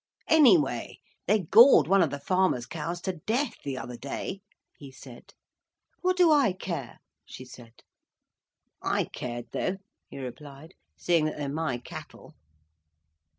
"Anyway, they gored one of the farmer's cows to death, the other day," he said. "What do I care?" she said. "I cared though," he replied, "seeing that they're my cattle."